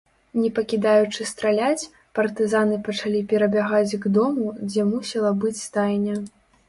Не пакідаючы страляць, партызаны пачалі перабягаць к дому, дзе мусіла быць стайня.